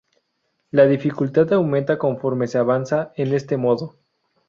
La dificultad aumenta conforme se avanza en este modo.